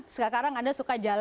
sekarang sekarang anda suka jual